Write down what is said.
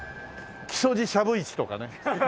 木曽路しゃぶいちとかね。